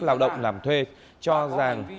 làm thuê cho giàng